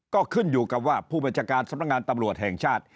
ก็ขึ้นอยู่กับว่าผู้บัญชาการสำนักงานตำรวจแห่งชาติ